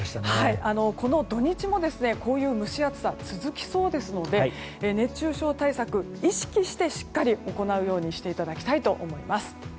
この土日もこういう蒸し暑さが続きそうですので熱中症対策、意識してしっかり行うようにしていただきたいと思います。